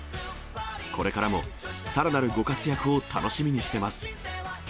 これからもさらなるご活躍を楽しみにしてます。